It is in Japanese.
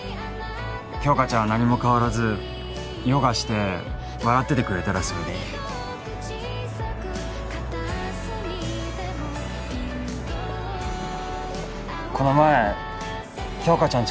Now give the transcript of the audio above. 杏花ちゃんは何も変わらずヨガして笑っててくれたらそれでいいこの前杏花ちゃん